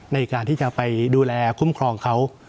ในการที่จะไปดูแลคุ้มครองเขา